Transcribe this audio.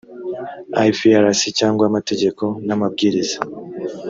ifrs cyangwa amategeko n amabwiriza